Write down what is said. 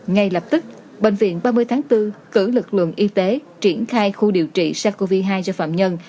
ngay lập tức bệnh viện ba mươi tháng bốn cử lực lượng y tế triển khai khu điều trị sars cov hai cho phạm nhân